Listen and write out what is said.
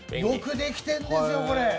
よくできてるんですよ、これ。